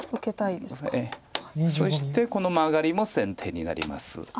そしてこのマガリも先手になります。